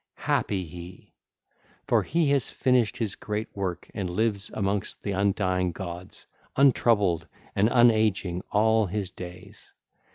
Happy he! For he has finished his great works and lives amongst the undying gods, untroubled and unageing all his days.